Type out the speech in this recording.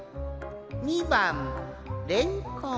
２ばんレンコン。